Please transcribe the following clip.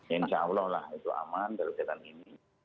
insyaallah lah itu aman dari kegiatan ini